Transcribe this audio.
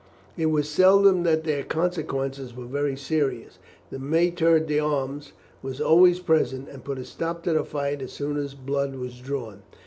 It was seldom that their consequences were very serious. The maître d'armes was always present, and put a stop to the fight as soon as blood was drawn.